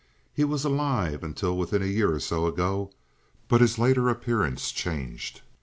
He was alive until within a year or so ago, but his later appearance changed.